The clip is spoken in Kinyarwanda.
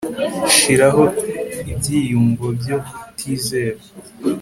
shiraho ibyiyumvo byo kutizera